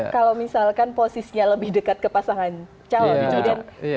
kalau misalkan posisinya lebih dekat ke pasangan calon